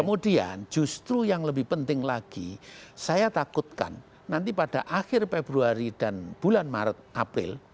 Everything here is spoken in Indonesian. kemudian justru yang lebih penting lagi saya takutkan nanti pada akhir februari dan bulan maret april